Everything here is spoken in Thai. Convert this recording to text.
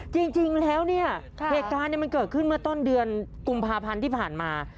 จริงแล้วเนี่ยเหตุการณ์มันเกิดขึ้นเมื่อต้นเดือนกุมภาพันธ์ที่ผ่านมา